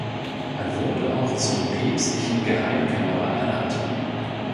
Er wurde auch zum päpstlichen Geheimkämmerer ernannt.